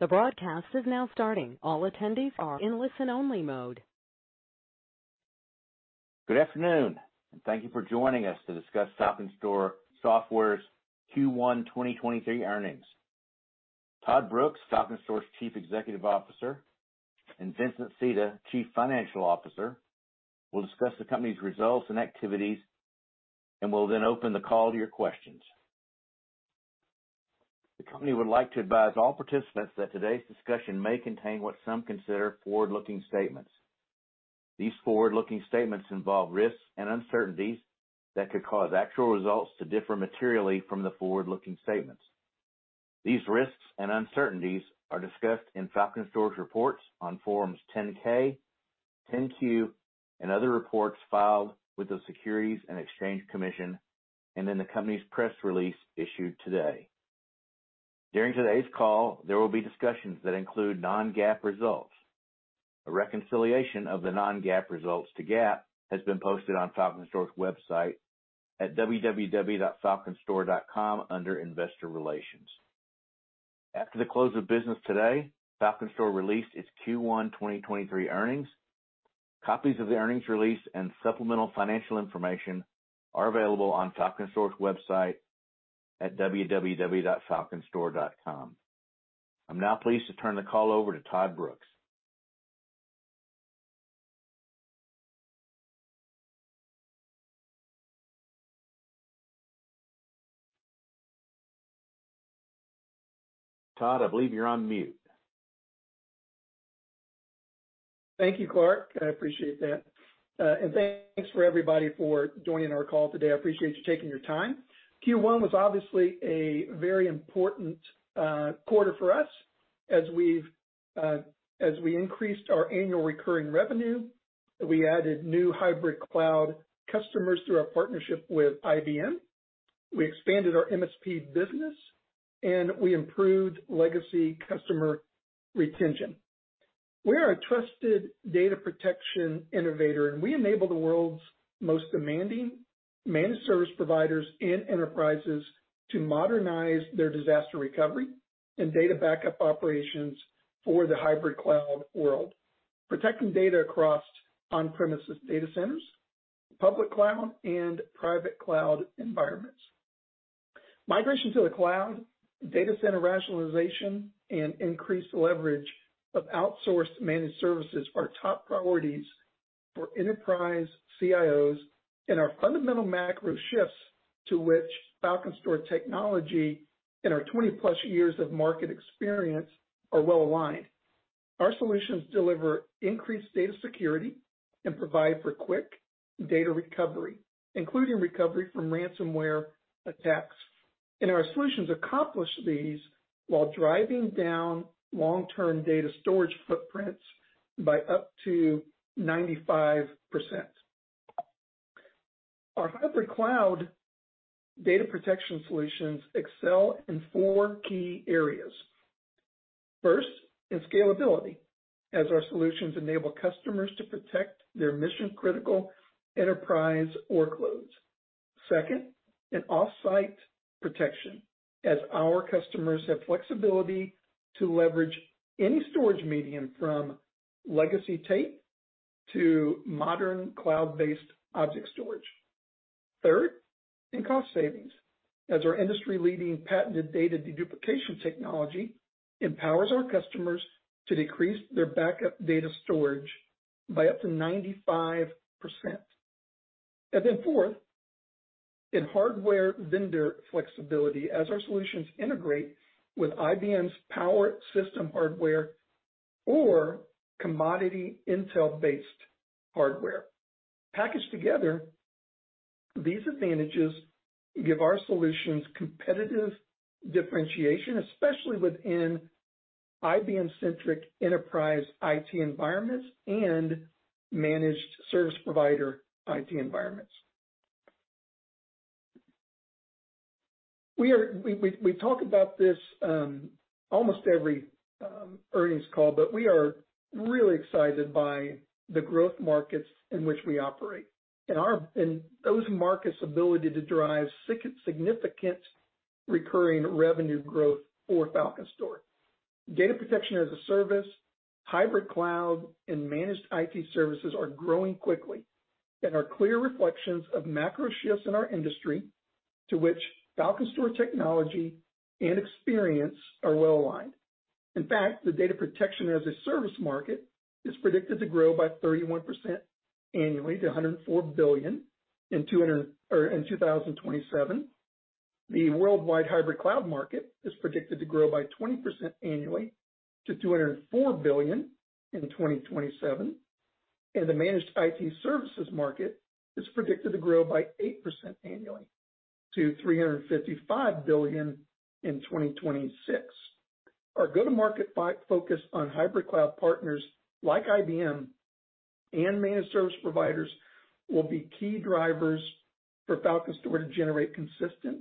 Good afternoon, and thank you for joining us to discuss FalconStor Software's Q1 2023 earnings. Todd Brooks, FalconStor's Chief Executive Officer, and Vincent Sita, Chief Financial Officer, will discuss the company's results and activities, and we'll then open the call to your questions. The company would like to advise all participants that today's discussion may contain what some consider forward-looking statements. These forward-looking statements involve risks and uncertainties that could cause actual results to differ materially from the forward-looking statements. These risks and uncertainties are discussed in FalconStor's reports on Forms 10-K, 10-Q, and other reports filed with the Securities and Exchange Commission, and in the company's press release issued today. During today's call, there will be discussions that include non-GAAP results. A reconciliation of the non-GAAP results to GAAP has been posted on FalconStor's website at www.falconstor.com under Investor Relations. After the close of business today, FalconStor released its Q1 2023 earnings. Copies of the earnings release and supplemental financial information are available on FalconStor's website at www.falconstor.com. I'm now pleased to turn the call over to Todd Brooks. Todd, I believe you're on mute. Thank you, Clark. I appreciate that. Thanks for everybody for joining our call today. I appreciate you taking your time. Q1 was obviously a very important quarter for us as we've increased our annual recurring revenue, we added new hybrid cloud customers through our partnership with IBM, we expanded our MSP business, and we improved legacy customer retention. We are a trusted data protection innovator. We enable the world's most demanding managed service providers and enterprises to modernize their disaster recovery and data backup operations for the hybrid cloud world, protecting data across on-premises data centers, public cloud, and private cloud environments. Migration to the cloud, data center rationalization, and increased leverage of outsourced managed services are top priorities for enterprise CIOs and are fundamental macro shifts to which FalconStor technology and our 20+ years of market experience are well-aligned. Our solutions deliver increased data security and provide for quick data recovery, including recovery from ransomware attacks. Our solutions accomplish these while driving down long-term data storage footprints by up to 95%. Our hybrid cloud data protection solutions excel in four key areas. First, in scalability, as our solutions enable customers to protect their mission-critical enterprise workloads. Second, in off-site protection, as our customers have flexibility to leverage any storage medium from legacy tape to modern cloud-based object storage. Third, in cost savings, as our industry-leading patented data deduplication technology empowers our customers to decrease their backup data storage by up to 95%. Fourth, in hardware vendor flexibility as our solutions integrate with IBM's Power Systems hardware or commodity Intel-based hardware. Packaged together, these advantages give our solutions competitive differentiation, especially within IBM-centric enterprise IT environments and managed service provider IT environments. We talk about this almost every earnings call, but we are really excited by the growth markets in which we operate and those markets' ability to drive significant recurring revenue growth for FalconStor. Data protection as a service, hybrid cloud, and managed IT services are growing quickly and are clear reflections of macro shifts in our industry to which FalconStor technology and experience are well-aligned. In fact, the data protection as a service market is predicted to grow by 31% annually to $104 billion in 2027. The worldwide hybrid cloud market is predicted to grow by 20% annually to $204 billion in 2027. The managed IT services market is predicted to grow by 8% annually to $355 billion in 2026. Our go-to-market focus on hybrid cloud partners like IBM and managed service providers will be key drivers for FalconStor to generate consistent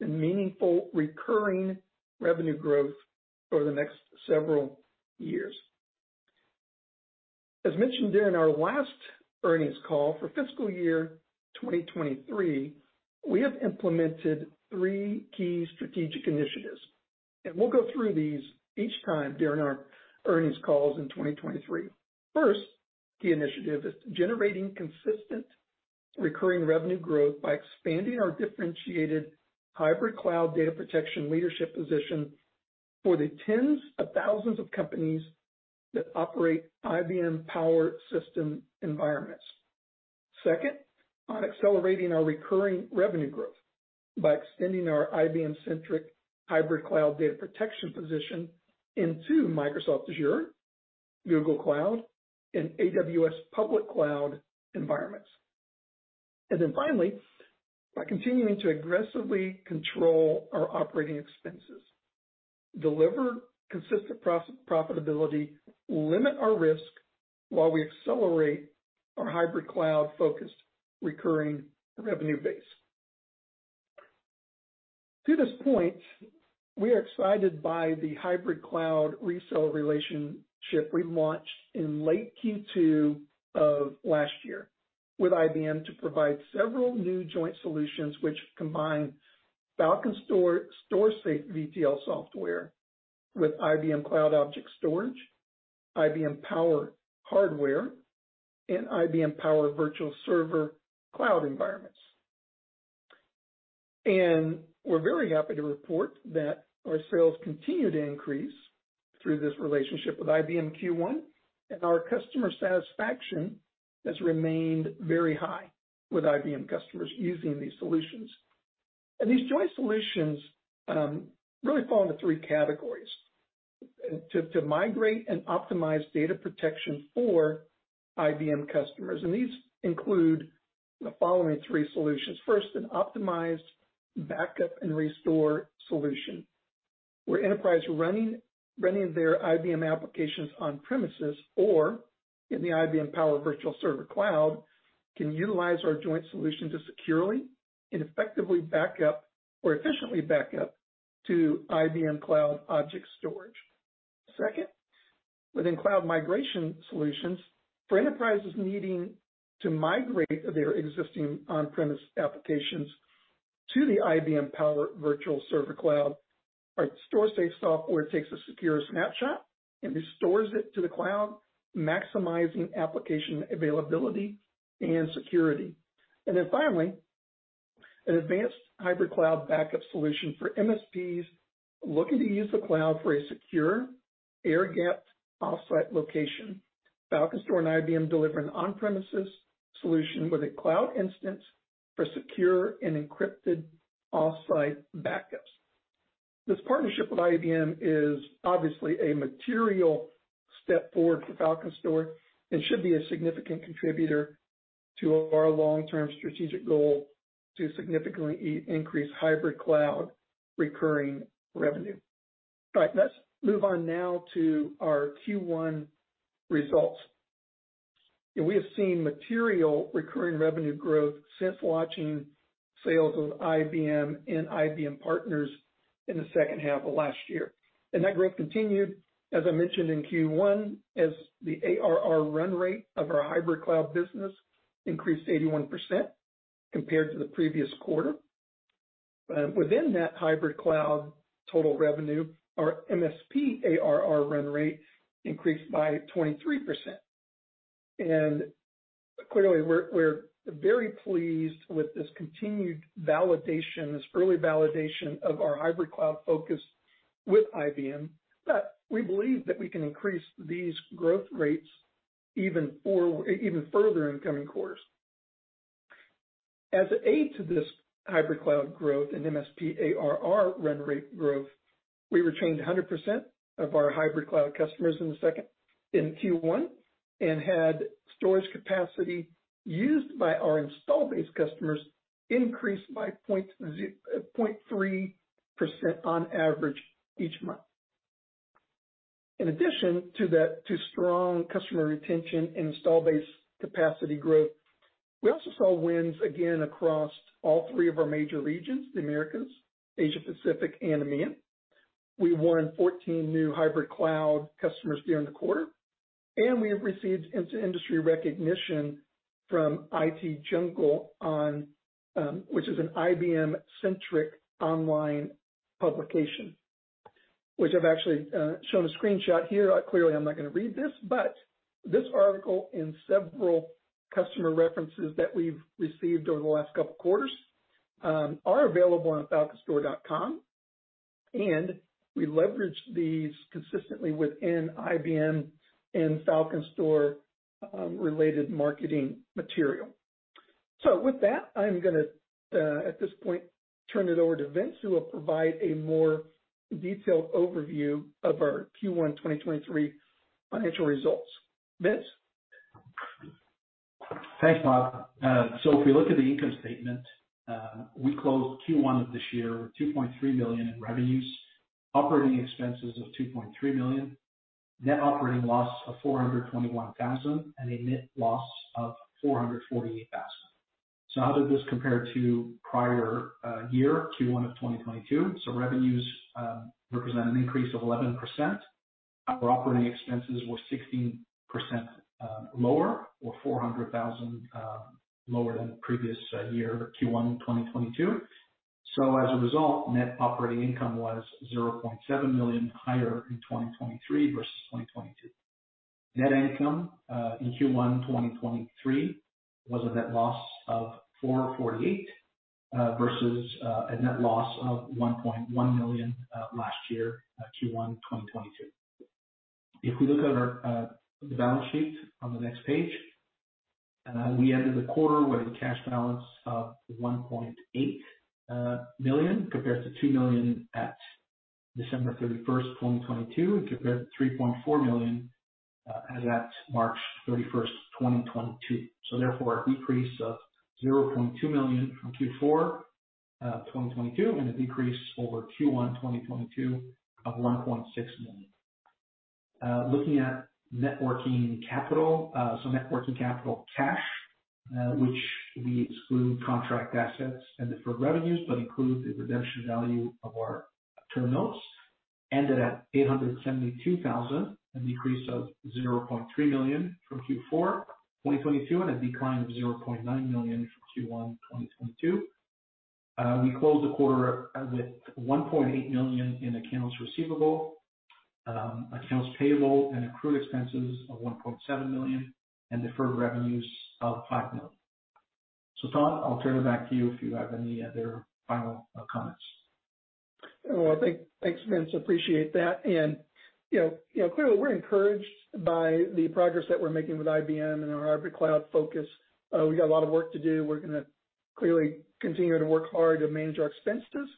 and meaningful recurring revenue growth over the next several years. As mentioned during our last earnings call for fiscal year 2023, we have implemented three key strategic initiatives. We'll go through these each time during our earnings calls in 2023. First, the initiative is generating consistent recurring revenue growth by expanding our differentiated hybrid cloud data protection leadership position for the tens of thousands of companies that operate IBM Power System environments. Second, on accelerating our recurring revenue growth by extending our IBM-centric hybrid cloud data protection position into Microsoft Azure, Google Cloud, and AWS public cloud environments. Finally, by continuing to aggressively control our operating expenses, deliver consistent profitability, limit our risk while we accelerate our hybrid cloud-focused recurring revenue base. To this point, we are excited by the hybrid cloud resell relationship we launched in late Q2 of last year with IBM to provide several new joint solutions which combine FalconStor StorSafe VTL software with IBM Cloud Object Storage, IBM Power hardware, and IBM Power Virtual Server cloud environments. We're very happy to report that our sales continue to increase through this relationship with IBM Q1, and our customer satisfaction has remained very high with IBM customers using these solutions. These joint solutions really fall into three categories. To migrate and optimize data protection for IBM customers, and these include the following three solutions. First, an optimized backup and restore solution, where enterprise running their IBM applications on-premises or in the IBM Power Virtual Server cloud can utilize our joint solution to securely and effectively back up or efficiently back up to IBM Cloud Object Storage. Second, within cloud migration solutions, for enterprises needing to migrate their existing on-premises applications to the IBM Power Virtual Server cloud, our StorSafe software takes a secure snapshot and restores it to the cloud, maximizing application availability and security. Finally, an advanced hybrid cloud backup solution for MSPs looking to use the cloud for a secure air-gapped offsite location. FalconStor and IBM deliver an on-premises solution with a cloud instance for secure and encrypted offsite backups. This partnership with IBM is obviously a material step forward for FalconStor and should be a significant contributor to our long-term strategic goal to significantly increase hybrid cloud recurring revenue. All right, let's move on now to our Q1 results. We have seen material recurring revenue growth since launching sales with IBM and IBM partners in the second half of last year. That growth continued, as I mentioned in Q1, as the ARR run rate of our hybrid cloud business increased 81% compared to the previous quarter. Within that hybrid cloud total revenue, our MSP ARR run rate increased by 23%. Clearly, we're very pleased with this continued validation, this early validation of our hybrid cloud focus with IBM that we believe that we can increase these growth rates even further in the coming quarters. As an aid to this hybrid cloud growth and MSP ARR run rate growth, we retained 100% of our hybrid cloud customers in Q1, and had storage capacity used by our installed base customers increased by 0.3% on average each month. In addition to that, to strong customer retention and install base capacity growth, we also saw wins again across all three of our major regions, the Americas, Asia Pacific, and EMEA. We won 14 new hybrid cloud customers during the quarter, and we have received in-industry recognition from IT Jungle, which is an IBM-centric online publication, which I've actually shown a screenshot here. Clearly, I'm not gonna read this article and several customer references that we've received over the last couple of quarters are available on falconstor.com, and we leverage these consistently within IBM and FalconStor related marketing material. With that, I'm gonna at this point, turn it over to Vince, who will provide a more detailed overview of our Q1 2023 financial results. Vince? Thanks, Todd. If we look at the income statement, we closed Q1 of this year with $2.3 million in revenues, operating expenses of $2.3 million, net operating loss of $421,000, and a net loss of $448,000. How did this compare to prior year, Q1 of 2022? Revenues represent an increase of 11%. Our operating expenses were 16% lower or $400,000 lower than the previous year, Q1 2022. As a result, net operating income was $0.7 million higher in 2023 versus 2022. Net income in Q1 2023 was a net loss of $448,000 versus a net loss of $1.1 million last year, Q1 2022. If we look at our the balance sheet on the next page, we ended the quarter with a cash balance of $1.8 million, compared to $2 million at December 31, 2022, and compared to $3.4 million as at March 31, 2022. A decrease of $0.2 million from Q4 2022, and a decrease over Q1 2022 of $1.6 million. Looking at net working capital. Net working capital cash, which we exclude contract assets and deferred revenues, but include the redemption value of our term notes, ended at $872,000, a decrease of $0.3 million from Q4 2022, and a decline of $0.9 million from Q1 2022. We closed the quarter with $1.8 million in accounts receivable, accounts payable, and accrued expenses of $1.7 million, and deferred revenues of $5 million. Todd, I'll turn it back to you if you have any other final comments. Well, thanks, Vince. Appreciate that. You know, clearly we're encouraged by the progress that we're making with IBM and our hybrid cloud focus. We got a lot of work to do. We're gonna clearly continue to work hard to manage our expenses,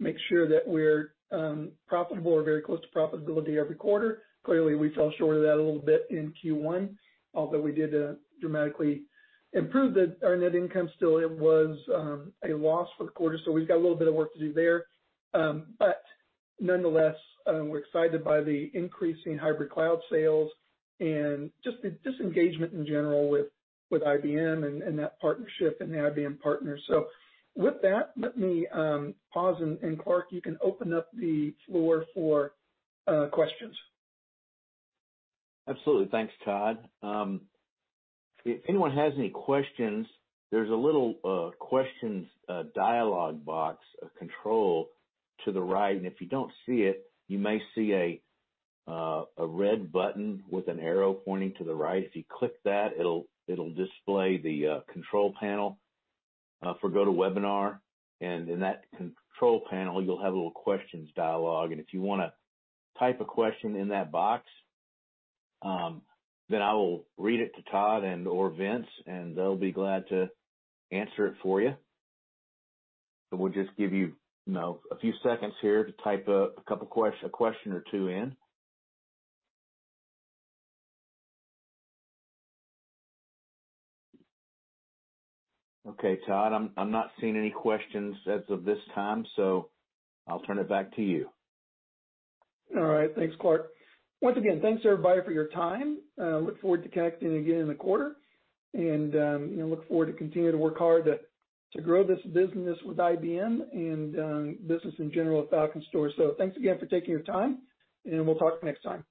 make sure that we're profitable or very close to profitability every quarter. Clearly, we fell short of that a little bit in Q1, although we did dramatically improve our net income. Still, it was a loss for the quarter, we've got a little bit of work to do there. Nonetheless, we're excited by the increasing hybrid cloud sales and just engagement in general with IBM and that partnership and the IBM partners. With that, let me pause, and Clark, you can open up the floor for questions. Absolutely. Thanks, Todd. If anyone has any questions, there's a little questions dialog box, a control to the right. If you don't see it, you may see a red button with an arrow pointing to the right. If you click that, it'll display the control panel for GoToWebinar. In that control panel you'll have a little questions dialog, and if you wanna type a question in that box, then I will read it to Todd and/or Vince, and they'll be glad to answer it for you. We'll just give you know, a few seconds here to type a question or two in. Todd, I'm not seeing any questions as of this time, so I'll turn it back to you. All right. Thanks, Clark. Once again, thanks everybody for your time, and I look forward to connecting again in the quarter. You know, look forward to continuing to work hard to grow this business with IBM and, business in general at FalconStor. Thanks again for taking your time, and we'll talk next time.